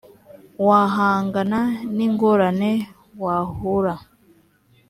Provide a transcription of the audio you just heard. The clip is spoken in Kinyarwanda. wahangana n ingorane wahura